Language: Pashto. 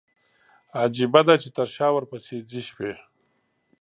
عجيبه ده، چې تر شا ورپسي ځي شپي